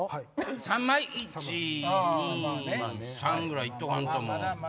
３ぐらい行っとかんと。